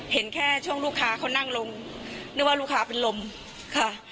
เห็นแค่ช่วงลูกค้าเขานั่งลงนึกว่าลูกค้าเป็นลมค่ะ